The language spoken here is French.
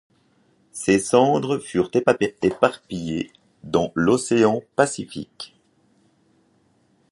Ses cendres furent éparpillées dans l'océan Pacifique.